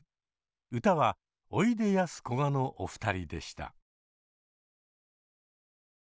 歌はおいでやすこがのお二人でした。